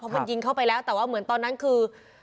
มันยิงเข้าไปแล้วแต่ว่าเหมือนตอนนั้นคือ